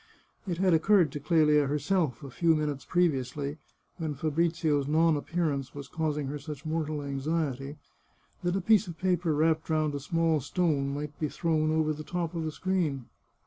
It had occurred to Clelia herself, a few minutes previously, when Fabrizio's non appearance was causing her such mortal anxiety, that a piece of paper wrapped round a small stone might be thrown over the top of the screen.